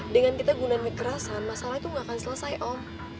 dengan kita gunaan kekerasan masalah itu gak akan selesai oh